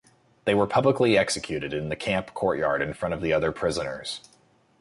They were publicly executed in the camp courtyard in front of the other prisoners.